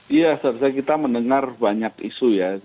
iya seharusnya kita mendengar banyak isu ya